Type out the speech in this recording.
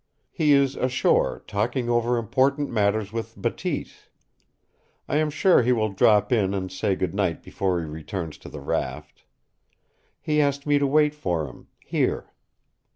"He is ashore talking over important matters with Bateese. I am sure he will drop in and say good night before he returns to the raft. He asked me to wait for him here."